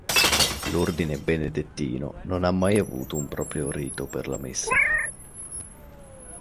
L'ordine benedettino non ha mai avuto un proprio rito per la Messa.